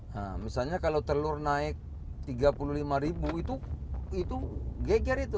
nah misalnya kalau telur naik tiga puluh lima ribu itu geger itu